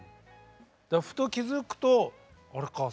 ふと気付くとあれ？